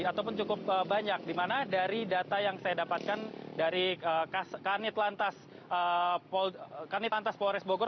ataupun cukup banyak dimana dari data yang saya dapatkan dari kanit lantas polres bogor